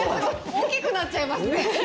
大きくなっちゃいますね。